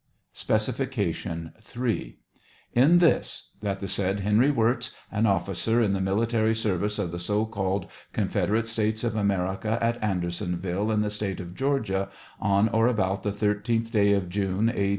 Specification 3. — In this : that the said Henry Wirz, an officer in the mili tary service of the so called Confederate States of America, at Andersonville, b TRIAL OF HENRY WIRZ. in the State of Georgia, on or about the thirteenth day of June, A.